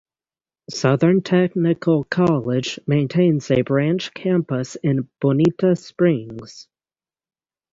Southern Technical College maintains a branch campus in Bonita Springs.